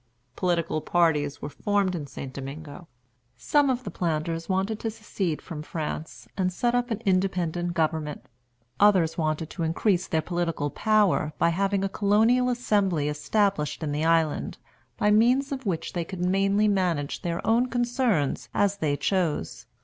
Political parties were formed in St. Domingo. Some of the planters wanted to secede from France, and set up an independent government. Others wanted to increase their political power by having a Colonial Assembly established in the island, by means of which they could mainly manage their own concerns as they chose.